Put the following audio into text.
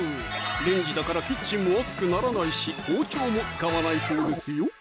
レンジだからキッチンも暑くならないし包丁も使わないそうですよ！